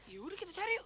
ya udah kita cari yuk